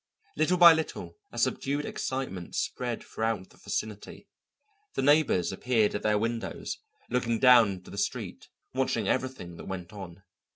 Little by little a subdued excitement spread throughout the vicinity. The neighbours appeared at their windows, looking down into the street, watching everything that went on.